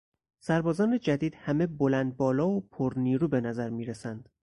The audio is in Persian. سربازان جدید همه بلند بالا و پر نیرو به نظر میرسند.